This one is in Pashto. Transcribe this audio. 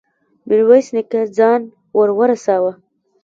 ميرويس نيکه ځان ور ورساوه.